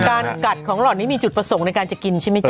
การกัดของหลอดนี้มีจุดประสงค์ในการจะกินใช่ไหมจ๊